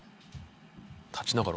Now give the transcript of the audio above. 立ちながら。